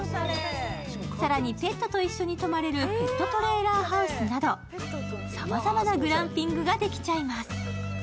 更に、ペットと一緒に泊まれるペットトレーラーハウスなどさまざまなグランピングができちゃいます。